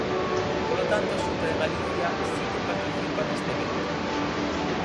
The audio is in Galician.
Polo tanto, a Xunta de Galicia si que participa neste evento.